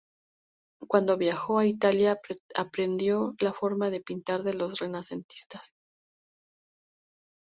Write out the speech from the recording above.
Cuando viajó a Italia, aprendió la forma de pintar de los renacentistas.